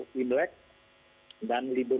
wimlek dan libur